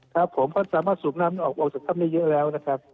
ครับผมเพราะสามารถสูบน้ำออกมาออกสักครั้งนี้เยอะแล้วนะครับ